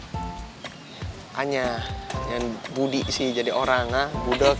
tanya yang budi sih jadi orang budok